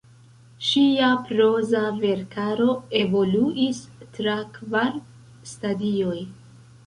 Ŝia proza verkaro evoluis tra kvar stadioj.